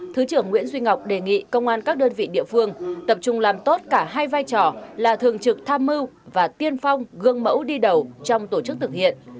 thứ trưởng nguyễn duy ngọc đề nghị công an các đơn vị địa phương tập trung làm tốt cả hai vai trò là thường trực tham mưu và tiên phong gương mẫu đi đầu trong tổ chức thực hiện